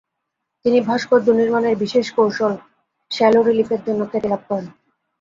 তিনি ভাস্কর্য নির্মাণের বিশেষ কৌশল শ্যালো রিলিফের জন্য খ্যাতি লাভ করেন।